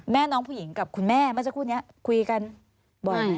น้องผู้หญิงกับคุณแม่เมื่อสักครู่นี้คุยกันบ่อย